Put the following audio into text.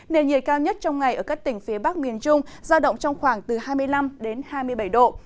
nền nhiệt cao nhất trong ngày ở các tỉnh phía bắc miền trung giao động trong khoảng từ hai mươi năm đến hai mươi bảy độ